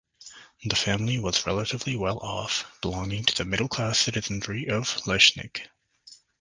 The family was relatively well off, belonging to the middle-class citizenry of Leisnig.